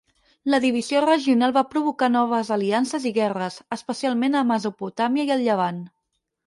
La divisió regional va provocar noves aliances i guerres, especialment a Mesopotàmia i el Llevant.